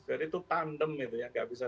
jadi itu tandem itu ya nggak bisa